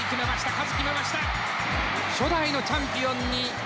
カズ決めました！